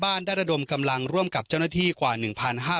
บ้านได้ระดมกำลังร่วมกับเจ้านัทีกว่าหนึ่งพันห้า